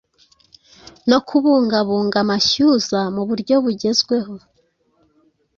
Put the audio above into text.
no kubungabunga amashyuza mu buryo bugezweho